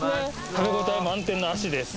食べ応え満点の脚です